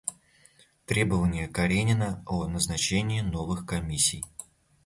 Требования Каренина о назначении новых комиссий.